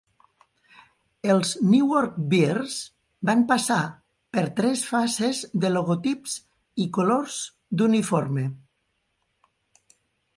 Els Newark Bears van passar per tres fases de logotips i colors d'uniforme.